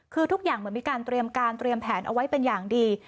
คือทุกอย่างเหมือนมีการเตรียมการเตรียมแผนเอาไว้เป็นอย่างดี